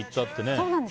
そうなんです。